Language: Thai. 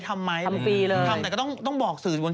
ตรงนี้มีมัวเนี่ย